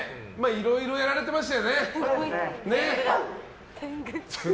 いろいろやられてました。